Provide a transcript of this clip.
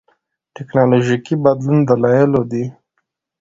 ټېکنالوژيکي بدلون دلایلو دي.